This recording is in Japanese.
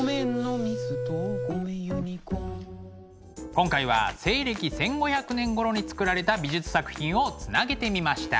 今回は西暦１５００年ごろにつくられた美術作品をつなげてみました。